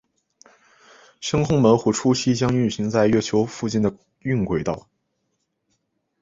深空门户初期将运行在月球附近的晕轨道。